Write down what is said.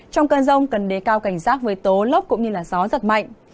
trong cơn rông cần đề cao cảnh giác với tố lốc cũng như gió giật mạnh